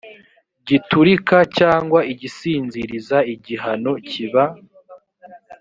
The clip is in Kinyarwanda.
giturika cyangwa igisinziriza igihano kiba